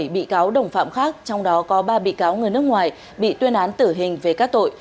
một mươi bị cáo đồng phạm khác trong đó có ba bị cáo người nước ngoài bị tuyên án tử hình về các tội